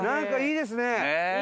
いいですね。